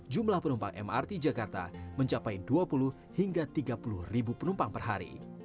jumlah penumpang mrt jakarta mencapai dua puluh hingga tiga puluh ribu penumpang per hari